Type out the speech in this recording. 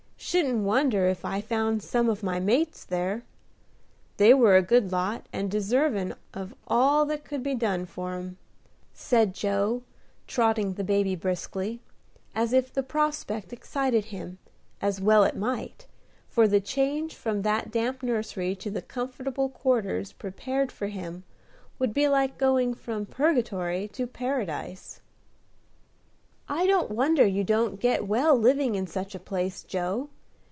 Shouldn't wonder if I found some of my mates there. They were a good lot, and deservin' of all that could be done for 'em," said Joe, trotting the baby briskly, as if the prospect excited him, as well it might, for the change from that damp nursery to the comfortable quarters prepared for him would be like going from Purgatory to Paradise. "I don't wonder you don't get well living in such a place, Joe.